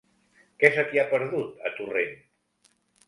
Què se t'hi ha perdut, a Torrent?